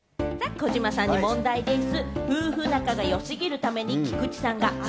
児嶋さんに問題でぃす。